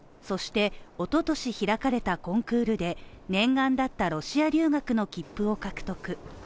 そして、おととし開かれたコンクールで念願だったロシア留学の切符を獲得。